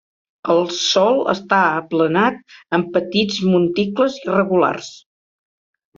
El sòl està aplanat, amb petits monticles irregulars.